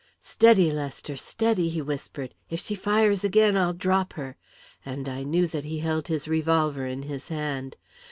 "Steady, Lester, steady," he whispered. "If she fires again, I'll drop her," and I knew that he held his revolver in his hand.